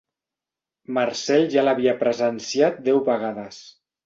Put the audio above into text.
Marcel ja l'havia presenciat deu vegades.